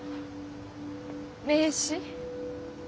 名刺？